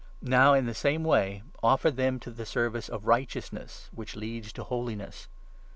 Now, in the same way, offer them to the service of Righteousness, which leads to holiness.